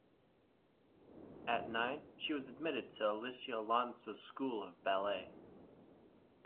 At nine, she was admitted to the Alicia Alonso School of Ballet.